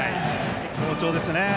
好調ですね。